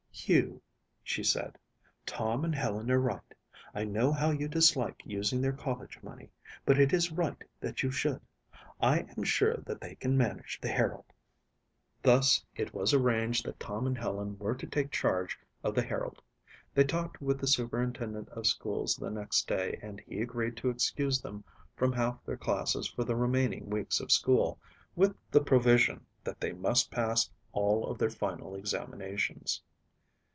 "Hugh," she said, "Tom and Helen are right. I know how you dislike using their college money, but it is right that you should. I am sure that they can manage the Herald." Thus it was arranged that Tom and Helen were to take charge of the Herald. They talked with the superintendent of schools the next day and he agreed to excuse them from half their classes for the remaining weeks of school with the provision that they must pass all of their final examinations.